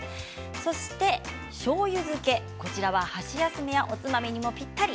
そして、しょうゆ漬け箸休めやおつまみにもぴったり。